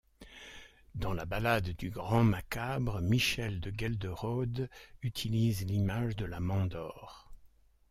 Dans La Balade du Grand Macabre, Michel de Ghelderode utilise l'image de la mandore.